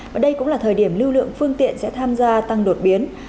và đây cũng là thời điểm lưu lượng phương tiện sẽ tham gia tăng đột biến